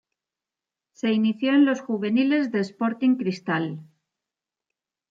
Se inició en los juveniles de Sporting Cristal.